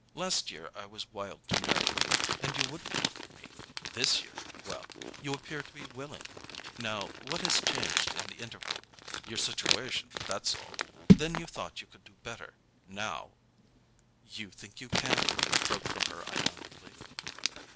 Last year I was wild to marry you, and you wouldn't look at me: this year—well, you appear to be willing. Now, what has changed in the interval? Your situation, that's all. Then you thought you could do better; now——" "You think you can?" broke from her ironically.